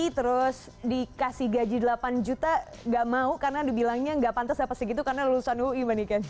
terus dikasih gaji delapan juta nggak mau karena dibilangnya nggak pantas apa segitu karena lulusan ui mbak niken